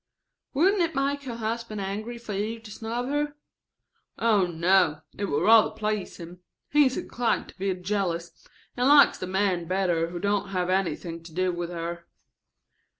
"Wouldn't it make her husband angry for you to snub her?" "Oh, no, it would rather please him. He is inclined to be jealous, and likes the men better who don't have anything to do with her.